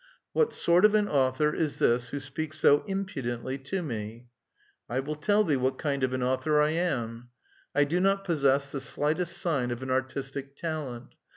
" What sort of an author is this who speaks so impu fiently to me ?" I will tell thee what kind of an author I am. I do not possess the slightest sign of an artistic talent.